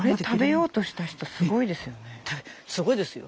すごいですよ。